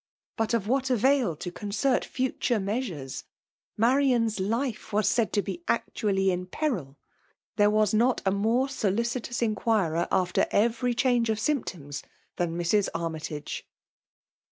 But of what ftraU. to concert future measures? Ma* xian's life was said to be actually in peril. There was not a more solicitous inquirer after eveiy change (^symptoms than Mrs. Armytage.